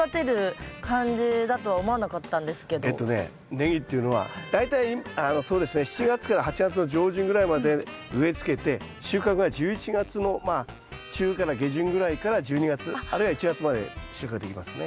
ネギっていうのは大体そうですね７月から８月の上旬ぐらいまで植えつけて収穫が１１月のまあ中から下旬ぐらいから１２月あるいは１月まで収穫ができますね。